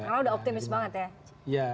karena sudah optimis banget ya